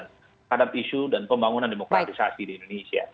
terhadap isu dan pembangunan demokratisasi di indonesia